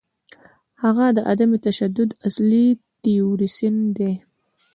هغه د عدم تشدد اصلي تیوریسن دی.